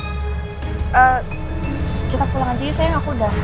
kita pulang aja ya sayang aku udah